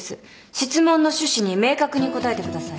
質問の趣旨に明確に答えてください。